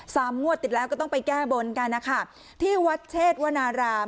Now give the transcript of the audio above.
งวดติดแล้วก็ต้องไปแก้บนกันนะคะที่วัดเชษวนาราม